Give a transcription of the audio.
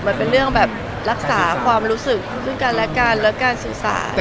มันเป็นเรื่องแบบรักษาความรู้สึกซึ่งกันและกันและการสื่อสาร